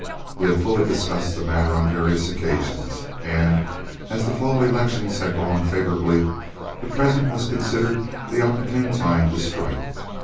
We had fully discussed the matter on various occasions, and as the fall elections had gone favorably, the present was considered the opportune time to strike.